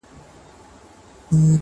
سره يو د ننګ په کار پټ او اشکار